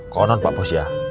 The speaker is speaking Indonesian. konon pak bos ya